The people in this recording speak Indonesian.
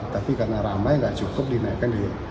tapi karena ramai nggak cukup dinaikkan